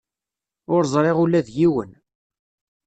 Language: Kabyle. Ur zṛiɣ ula d yiwen.